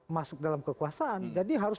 masuk dalam kekuasaan jadi harus